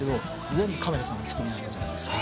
全部亀田さんが作りあげたじゃないですか。